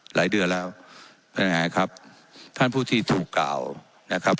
หลายเดือนแล้วนั่นไงครับท่านผู้ที่ถูกกล่าวนะครับ